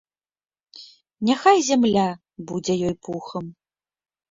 Няхай зямля будзе ёй пухам!